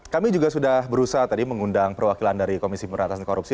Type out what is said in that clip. kami juga sudah berusaha tadi mengundang perwakilan dari komisi pemerintahan korupsi